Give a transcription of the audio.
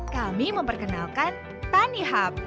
kami memperkenalkan tanihub